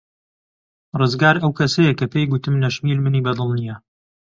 ڕزگار ئەو کەسەیە کە پێی گوتم نەشمیل منی بەدڵ نییە.